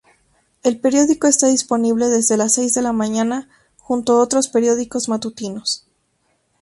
El periódico está disponible desde las seis de la mañana junto otros periódicos matutinos.